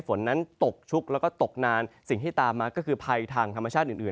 ฝนนั้นตกชุกแล้วก็ตกนานสิ่งที่ตามมาก็คือภัยทางธรรมชาติอื่นอื่น